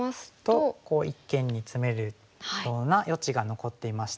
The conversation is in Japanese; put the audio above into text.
一間にツメるような余地が残っていまして。